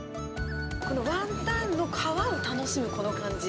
このワンタンの皮を楽しむこの感じ。